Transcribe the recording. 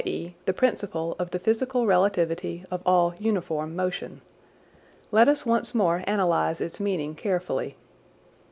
e. the principle of the physical relativity of all uniform motion. Let as once more analyse its meaning carefully.